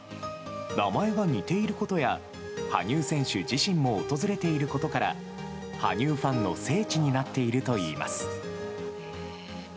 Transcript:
名前が似ていることや、羽生選手自身も訪れていることから、羽生ファンの聖地になっているといいます。